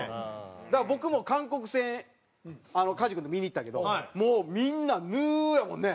だから僕も韓国戦加地君と見に行ったけどもうみんな「ヌー！」やもんね。